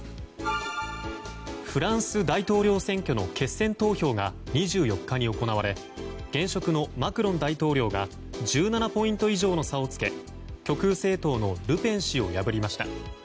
フランス大統領選挙の決選投票が２４日に行われ現職のマクロン大統領が１７ポイント以上の差をつけ極右政党のルペン氏を破りました。